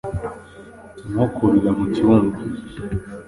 nko kurira mu cyumba